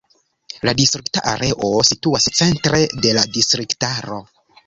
La distrikta areo situas centre de la distriktaro.